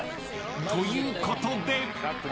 ［ということで］